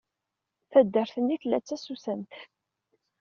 Taddart-nni tella d tasusamt.